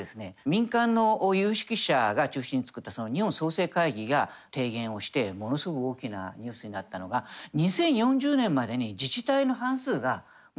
民間の有識者が中心に作った日本創成会議が提言をしてものすごく大きなニュースになったのが２０４０年までに自治体の半数がもう消滅の危機にひんするんじゃないかと。